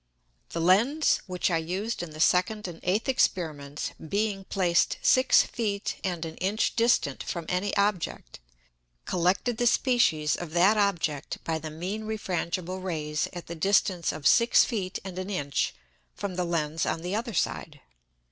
The Lens which I used in the second and eighth Experiments, being placed six Feet and an Inch distant from any Object, collected the Species of that Object by the mean refrangible Rays at the distance of six Feet and an Inch from the Lens on the other side.